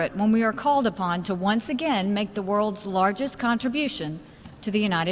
kita akan ingat saat kita dianggap untuk sekali lagi membuat kontribusi terbesar di dunia ke satu